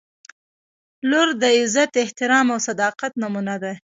• لور د عزت، احترام او صداقت نمونه ده.